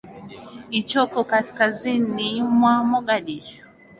ichoko kaskazini mwa mogadishu